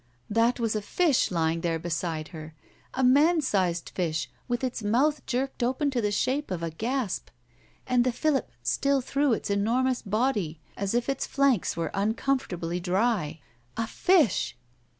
That was a fish lying there beside her! A man sized fish with its mouth jerked open to the shape of a gasp and the fillip still through its enormous body, as if its flanks were uncomfortably dry. A fish